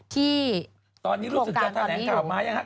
ที่ตอนนี้รู้สึกจะแถลงข่าวไหมนะครับ